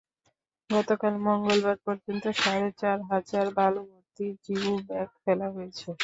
গতকাল মঙ্গলবার পর্যন্ত সাড়ে চার হাজার বালুভর্তি জিও ব্যাগ ফেলা হয়েছে।